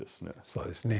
そうですね。